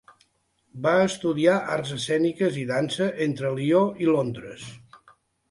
Va estudiar arts escèniques i dansa entre Lió i Londres.